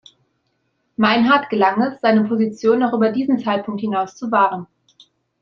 Meinhard gelang es, seine Position auch über diesen Zeitpunkt hinaus zu wahren.